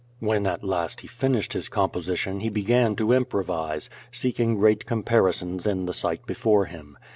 When at last he finished his composition he began to impro vise, seeking great comparisons in the sight before him.